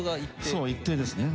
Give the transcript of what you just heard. そう一定ですね。